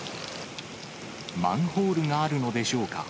マンホールがあるのでしょうか。